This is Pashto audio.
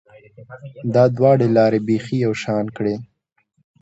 دا دواړې لارې بیخي یو شان کړې